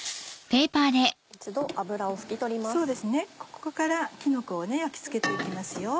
ここからきのこを焼きつけて行きますよ。